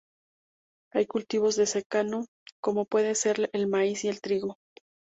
Hay cultivos de secano como pueden ser el maíz y el trigo